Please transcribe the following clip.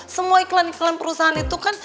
semua iklan iklan perusahaan itu kan